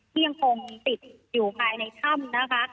ยังคงติดอยู่ภายในถ้ำนะคะ